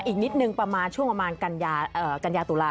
อีกนิดนึงช่วงประมาณกัยตุลาค